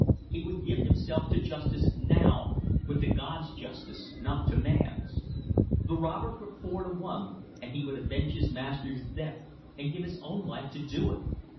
He would give himself to justice now but to God's justice, not to man's. The robbers were four to one, and he would avenge his master's death and give his own life to do it!